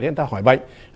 để người ta hỏi bệnh